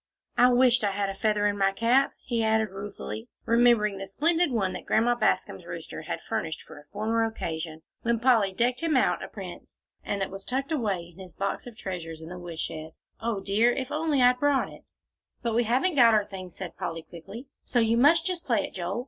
"I wished I had a feather in my cap," he added ruefully, remembering the splendid one that Grandma Bascom's rooster had furnished for a former occasion, when Polly decked him out a prince, and that was tucked away in his box of treasures in the woodshed, "O dear! if I'd only brought it!" "But we haven't got our things," said Polly, quickly, "so you must just play it, Joel.